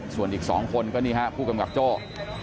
ส่วนอีกสองคนก็ค่ะผู้กำกัดโจ๊ะ